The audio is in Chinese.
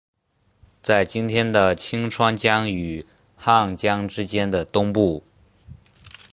在今天的清川江与汉江之间的东部。